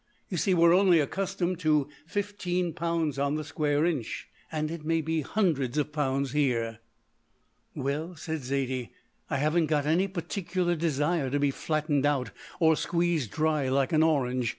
You see we're only accustomed to fifteen pounds on the square inch, and it may be hundreds of pounds here." "Well," said Zaidie, "I haven't got any particular desire to be flattened out, or squeezed dry like an orange.